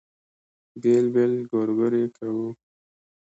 بېل بېل ګورګورې کوو.